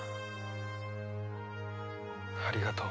ありがとう。